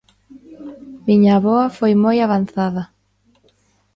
Miña avoa foi moi avanzada.